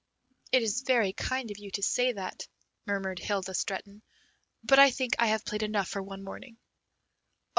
"It is very kind of you to say that," murmured Hilda Stretton, "but I think I have played enough for one morning."